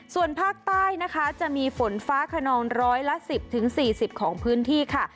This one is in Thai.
ส่วนภาคใต้นะคะจะมีฝนฟ้าขนองร้อยละ๑๐๔๐ของพื้นที่ค่ะ